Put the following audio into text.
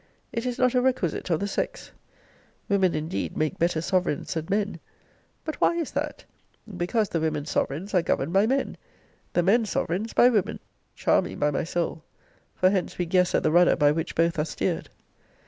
It is not a requisite of the sex. Women, indeed, make better sovereigns than men: but why is that? because the women sovereigns are governed by men; the men sovereigns by women. Charming, by my soul! For hence we guess at the rudder by which both are steered.